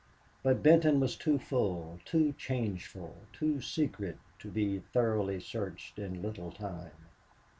But Benton was too full, too changeful, too secret to be thoroughly searched in little time.